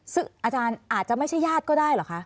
ซึ่งอาจารย์อาจจะไม่ใช่ญาติก็ได้เหรอคะ